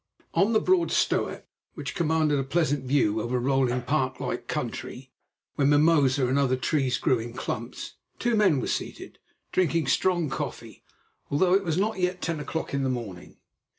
On the broad stoep, which commanded a pleasant view over rolling, park like country, where mimosa and other trees grew in clumps, two men were seated, drinking strong coffee, although it was not yet ten o'clock in the morning.